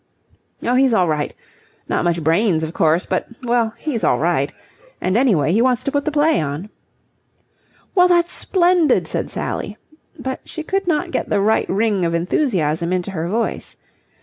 "Oh, he's all right. Not much brains, of course, but well, he's all right. And, anyway, he wants to put the play on." "Well, that's splendid," said Sally: but she could not get the right ring of enthusiasm into her voice.